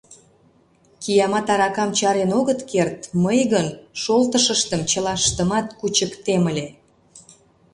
— Киямат аракам чарен огыт керт, мый гын шолтышыштым чылаштымат кучыктем ыле!